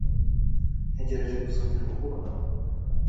Ntegereje kuzongera kukubona vuba.